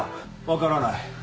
分からない。